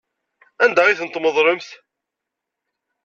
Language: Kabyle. Anda ay tent-tmeḍlemt?